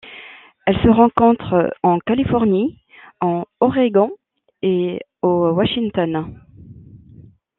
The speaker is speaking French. Elle se rencontre en Californie en Oregon et au Washington.